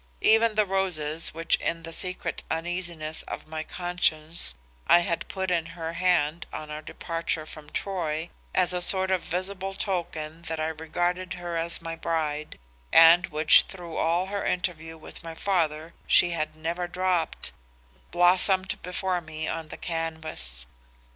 Even the roses which in the secret uneasiness of my conscience I had put in her hand on our departure from Troy, as a sort of visible token that I regarded her as my bride, and which through all her interview with my father she had never dropped, blossomed before me on the canvas.